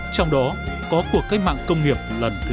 trong đó có cuộc cách mạng công nghiệp lần thứ tư